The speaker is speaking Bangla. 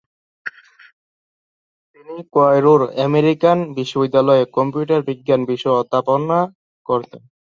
তিনি কায়রোর আমেরিকান বিশ্ববিদ্যালয়ে কম্পিউটার বিজ্ঞান বিষয়ে অধ্যাপনা করতেন।